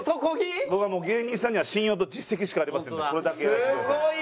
僕はもう芸人さんには信用と実績しかありませんのでこれだけ言わせてください。